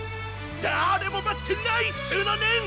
誰も待ってないっつうのねん！